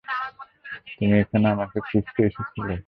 তুমি এখানে আমাকে খুঁজতে এসেছিলে।